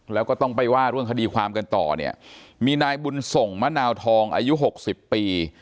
แล้วก็ต้องไปว่าเรื่องคดีความกันต่อเนี่ยมีนายบุญส่งมะนาวทองอายุหกสิบปี